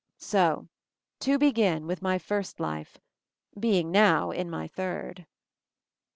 So, to begin with my first life, being now in my third